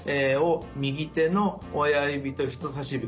右手の親指と人さし指